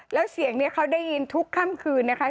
แล้วเสียงนี้เขาได้ยินทุกค่ำคืนนะคะ